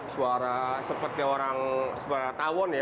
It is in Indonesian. suara seperti orang suara tawon ya